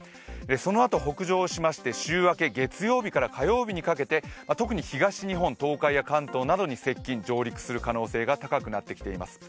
そのあと北上しまして週明け月曜日から火曜日にかけて特に東日本、東海や関東に接近、上陸する可能性が高くなってきています。